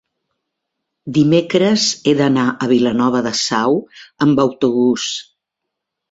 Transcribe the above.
dimecres he d'anar a Vilanova de Sau amb autobús.